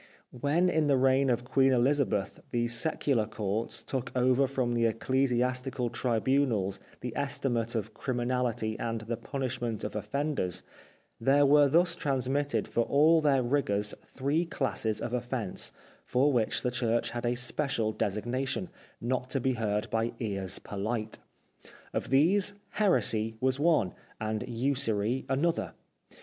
When in the reign of Queen Elizabeth the secular courts took over from the ecclesiastical tribunals the estimate of criminality and the punishment of offenders, there were thus transmitted for all their rigours 349 The Life of Oscar Wilde three classes of offence^ for which the Church had a special designation, not to be heard by ears polite. Of these heresy was one, and usury another.